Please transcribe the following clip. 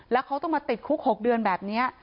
แล้วเขาต้องมาติดคุก๖เดือนแบบนี้